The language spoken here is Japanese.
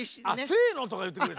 「せの！」とかいってくれたら。